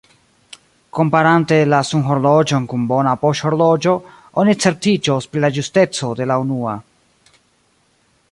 Komparante la sunhorloĝon kun bona poŝhorloĝo, oni certiĝos pri la ĝusteco de la unua.